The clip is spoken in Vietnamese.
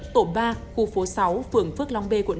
tổ ba khu phố sáu phường phước long b quận tám